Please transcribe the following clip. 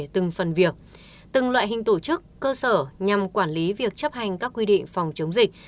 từng phần việc từng loại hình tổ chức cơ sở nhằm quản lý việc chấp hành các quy định phòng chống dịch